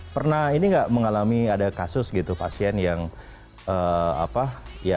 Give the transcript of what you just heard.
pernah ini nggak mengalami ada kasus gitu pasien yang apa ya